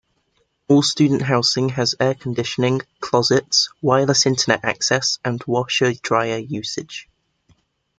All student housing has air-conditioning, closets, wireless Internet access, and washer-dryer usage.